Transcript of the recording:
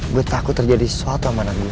gua takut terjadi sesuatu sama anak gua